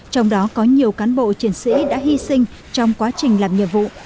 trong đó có nhiều cán bộ chiến sĩ đã hy sinh trong quá trình làm nhiệm vụ